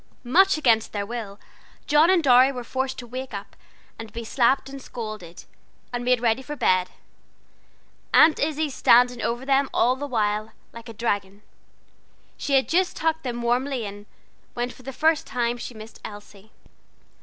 Much against their will John and Dorry were forced to wake up, and be slapped and scolded, and made ready for bed, Aunt Izzie standing over them all the while, like a dragon. She had just tucked them warmly in, when for the first time she missed Elsie.